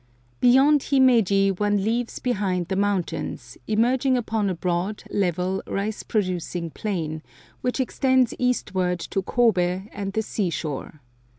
Beyond Himeji one leaves behind the mountains, emerging upon a broad, level, rice producing plain, which extends eastward to Kobe and the sea shore.